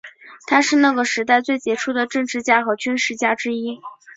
他是那个时代最杰出的政治家和军事家之一。